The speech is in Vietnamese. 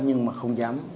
nhưng mà không dám